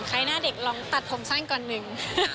ใครหน้าเด็กลองตัดผมสั้นก่อนหนึ่ง